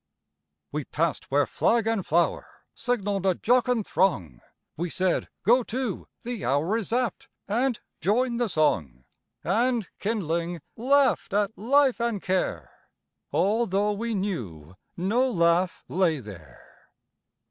WE passed where flag and flower Signalled a jocund throng; We said: "Go to, the hour Is apt!"—and joined the song; And, kindling, laughed at life and care, Although we knew no laugh lay there.